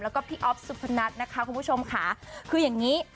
แล้วก็พี่อ๊อฟสุพนัทนะคะคุณผู้ชมค่ะคืออย่างนี้